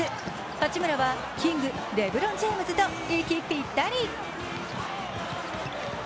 八村はキング、レブロン・ジェームズと息ぴったり。